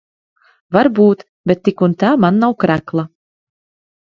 Varbūt. Bet tik un tā man nav krekla.